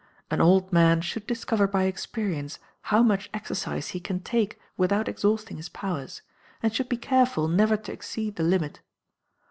An old man should discover by experience how much exercise he can take without exhausting his powers, and should be careful never to exceed the limit.